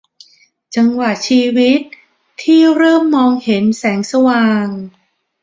จังหวะชีวิตที่เริ่มมองเห็นแสงสว่าง